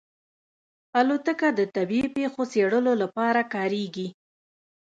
الوتکه د طبیعي پېښو څېړلو لپاره کارېږي.